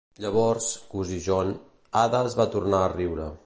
"Llavors, cosí John-" Ada es va tornar a riure.